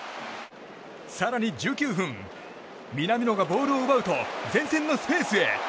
更に１９分、南野がボールを奪うと前線のスペースへ。